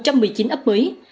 một trăm một mươi chín ấp mới